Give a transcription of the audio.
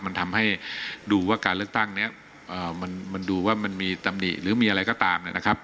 มันทำให้ดูว่าการเลือกตั้งเนี่ยมันดูว่ามันมีตำหนิหรือมีอะไรก็ตามนะครับ